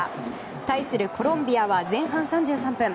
対するコロンビアは前半３３分。